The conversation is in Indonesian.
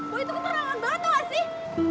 boy itu keterlangan banget tau gak sih